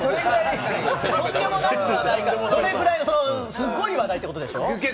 すっごい話題ってことでしょう？